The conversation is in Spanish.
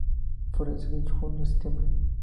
Florece de Junio a Septiembre.